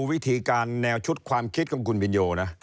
วิธีการแนวชุดความคิดของคุณบินโยนะ